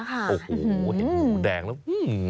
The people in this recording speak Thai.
โอ้โหเห็นงูแดงแล้ว